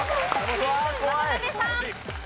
渡辺さん。